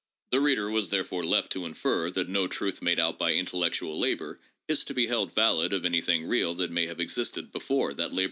The reader was therefore left to infer that no truth made out by intellectual labor is to be held valid of anything real that may have existed before that labor was ended.